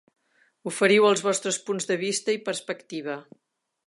Oferiu els vostres punts de vista i perspectiva.